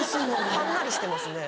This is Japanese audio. はんなりしてますね。